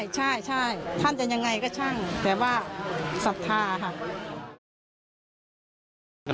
ใช่ท่านจะยังไงก็ช่างแต่ว่าศรัทธาค่ะ